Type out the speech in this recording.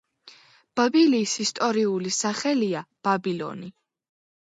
ბაბილის ისტორიული სახელია ბაბილონი.